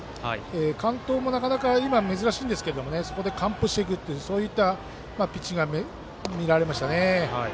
完投もなかなか今、珍しいんですけどそこで完封していくというそういったピッチングが見られましたね。